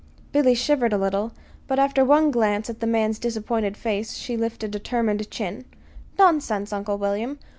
Billy shivered a little; but after one glance at the man's disappointed face she lifted a determined chin. "Nonsense, Uncle William!